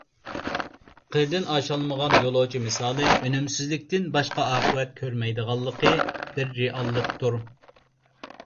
«قىردىن ئاشالمىغان يولۇچى» مىسالى ئۈنۈمسىزلىكتىن باشقا ئاقىۋەت كۆرمەيدىغانلىقى بىر رېئاللىقتۇر.